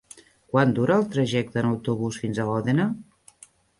Quant dura el trajecte en autobús fins a Òdena?